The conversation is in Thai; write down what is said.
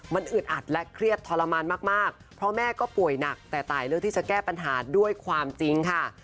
มันอึดอัดและเครียดทรมานมากเพราะแม่ก็ป่วยหนักแต่ตายเลือกที่จะแก้ปัญหาด้วยความจริงค่ะ